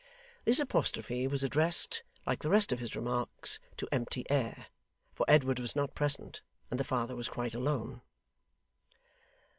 This apostrophe was addressed, like the rest of his remarks, to empty air: for Edward was not present, and the father was quite alone.